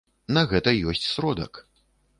На гэта ёсць сродак.